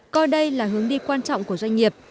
coi đây là hướng đi quan trọng của doanh nghiệp